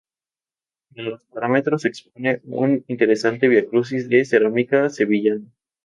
En los parámetros se expone un interesante Via Crucis de cerámica sevillana.